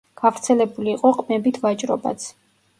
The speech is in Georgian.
გავრცელებული იყო ყმებით ვაჭრობაც.